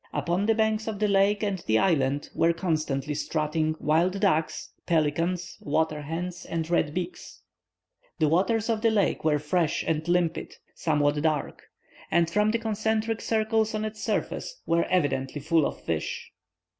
Upon the banks of the lake and the island were constantly strutting wild ducks, pelicans, water hens and red beaks. The waters of the lake were fresh and limpid, somewhat dark, and from the concentric circles on its surface, were evidently full of fish.